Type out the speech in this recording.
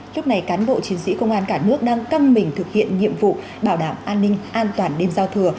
lúc này cán bộ chiến sĩ công an cả nước đang căng mình thực hiện nhiệm vụ bảo đảm an ninh an toàn đêm giao thừa